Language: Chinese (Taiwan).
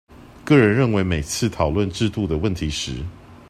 個人認為每次討論制度的問題時